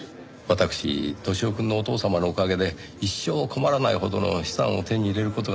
私年男くんのお父様のおかげで一生困らないほどの資産を手に入れる事ができました。